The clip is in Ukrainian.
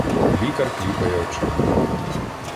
Лікар кліпає очима.